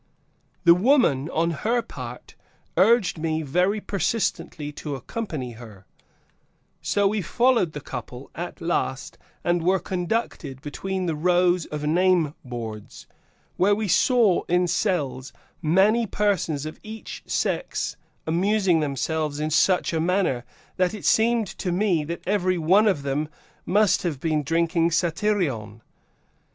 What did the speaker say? The woman, on her part, urged me very persistently to accompany her, so we followed the couple, at last, and were conducted between the rows of name boards, where we saw, in cells, many persons of each sex amusing themselves in such a manner) that it seemed to me that every one of them must have been drinking satyrion.